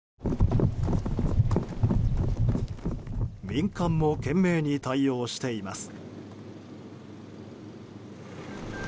民間も懸命に対応しています。